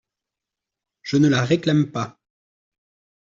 Je ne la réclame pas.